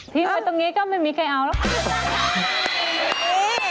ทิ้งไปตรงนี้ก็ไม่มีใครเอาหรอก